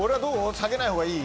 下げないほうがいい？